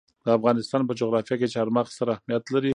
د افغانستان په جغرافیه کې چار مغز ستر اهمیت لري.